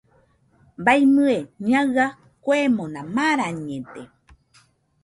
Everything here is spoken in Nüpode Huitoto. Baimɨe Ñaɨa kuemona marañede.